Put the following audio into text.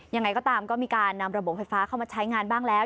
ยังไงก็ตามก็มีการนำระบบไฟฟ้าเข้ามาใช้งานบ้างแล้ว